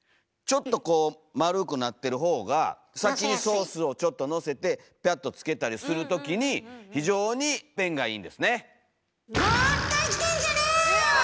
ちょっとこう丸くなってるほうが先にソースをちょっとのせてピャッとつけたりするときに非常に便がいいんですね。